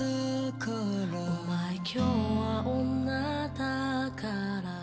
「お前今日は女だから」